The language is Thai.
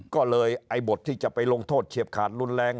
ก็เลยไอ้บทที่จะไปลงโทษเฉียบขาดรุนแรง